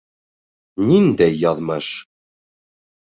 Ниндәй яҙмыш?